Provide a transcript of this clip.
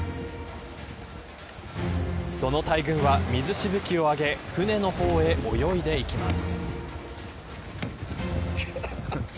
その大群は水しぶきをあげ船の方へ泳いでいきます。